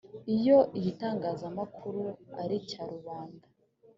iyo igitangazamakuru ari icya rubanda